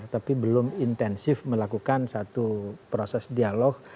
tapi belum intensif melakukan satu proses dialog